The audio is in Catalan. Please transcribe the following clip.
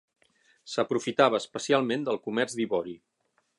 S'aprofitava especialment del comerç d'ivori.